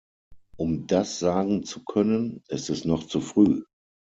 Um das sagen zu können, ist es noch zu früh.